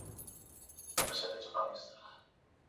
黄花红砂为柽柳科红砂属下的一个种。